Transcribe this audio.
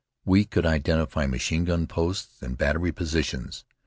We could identify machine gun posts and battery positions.